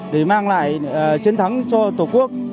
để mang lại chiến thắng cho tổ quốc